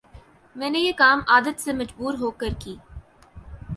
میں نے یہ کام عادت سے مجبور ہوکرکی